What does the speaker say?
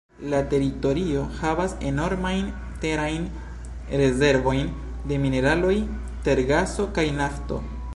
La teritorio havas enormajn terajn rezervojn de mineraloj, tergaso kaj nafto.